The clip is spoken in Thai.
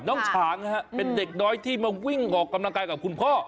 ฉางเป็นเด็กน้อยที่มาวิ่งออกกำลังกายกับคุณพ่อ